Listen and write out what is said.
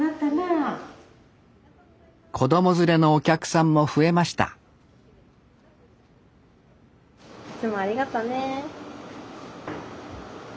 子供連れのお客さんも増えましたいつもありがとね。